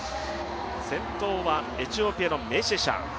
先頭はエチオピアのメシェシャ。